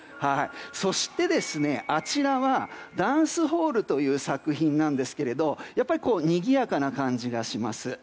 そして、あちらはダンスホールという作品なんですけどにぎやかな感じがします。